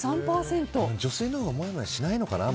女性のほうがもやもやしないのかな